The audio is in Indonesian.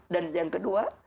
dan yang kedua